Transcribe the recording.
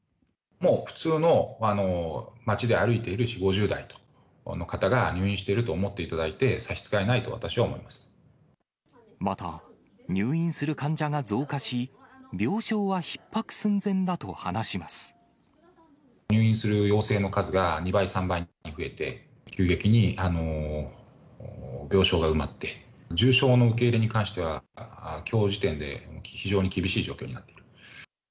もう普通の町で歩いている４、５０代の方が入院していると思っていただいて差し支えないと、また、入院する患者が増加し、入院する陽性の数が２倍、３倍に増えて、急激に病床が埋まって、重症の受け入れに関しては、きょう時点で非常に厳しい状況になっている。